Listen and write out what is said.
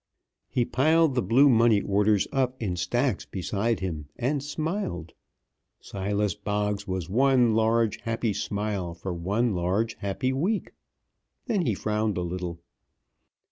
He piled the blue money orders up in stacks beside him, and smiled. Silas Boggs was one large, happy smile for one large, happy week. Then he frowned a little.